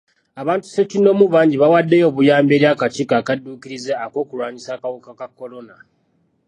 Abantu ssekinnoomu bangi bawaddeyo obuyambi eri akakiiko akadduukirize ak'okulwanyisa akawuka ka kolona.